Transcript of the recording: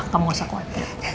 kamu gak usah khawatir